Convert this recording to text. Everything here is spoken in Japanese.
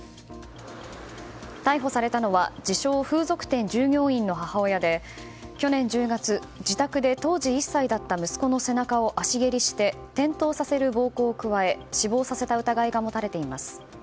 逮捕されたのは自称風俗店従業員の母親で去年１０月、自宅で当時１歳だった息子の背中を足蹴りして転倒させる暴行を加え死亡させた疑いが持たれています。